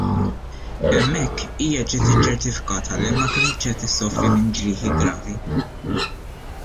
Hemmhekk hija ġiet iċċertifikata li ma kinitx qed issofri minn ġrieħi gravi.